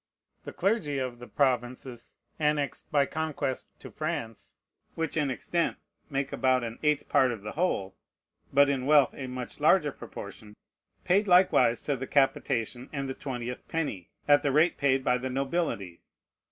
The clergy of the provinces annexed by conquest to France (which in extent make about an eighth part of the whole, but in wealth a much larger proportion) paid likewise to the capitation and the twentieth penny, at the rate paid by the nobility.